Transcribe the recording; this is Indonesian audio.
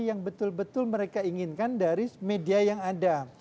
yang betul betul mereka inginkan dari media yang ada